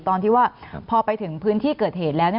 ตอนที่ว่าพอไปถึงพื้นที่เกิดเหตุแล้ว